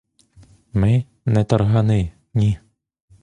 Ми — не таргани, ні!